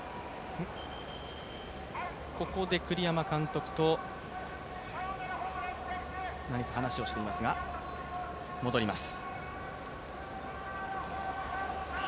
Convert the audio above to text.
ここで栗山監督と何か話をしていますが、戻ります。